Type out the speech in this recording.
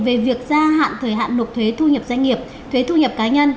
về việc gia hạn thời hạn nộp thuế thu nhập doanh nghiệp thuế thu nhập cá nhân